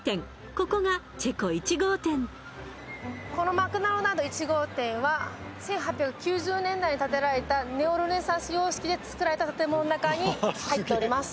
ここがチェコ１号店このマクドナルド１号店は１８９０年代に建てられたネオ・ルネサンス様式で造られた建物の中に入っております